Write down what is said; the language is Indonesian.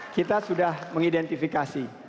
kita sudah mengidentifikasi